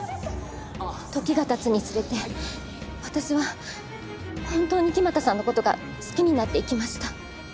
時が経つにつれて私は本当に木俣さんの事が好きになっていきました。